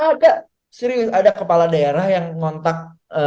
ada serius ada kepala daerah yang ngontak